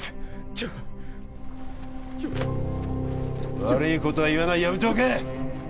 チュチュ悪いことは言わないやめておけ！